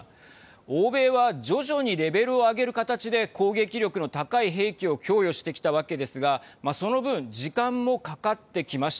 欧米は徐々にレベルを上げる形で攻撃力の高い兵器を供与してきたわけですがその分時間もかかってきました。